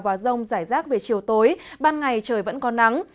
và rông rải rác về chiều tối ban ngày trời vẫn có nắng